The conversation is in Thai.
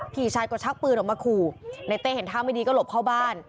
พี่ชายก็ชักปืนออกมาขู่ในเต้เห็นท่าไม่ดีก็หลบเข้าบ้าน